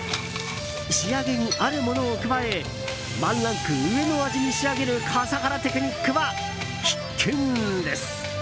仕上げにあるものを加えワンランク上の味に仕上げる笠原テクニックは必見です。